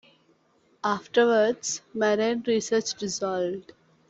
Afterwards, Marine Research dissolved.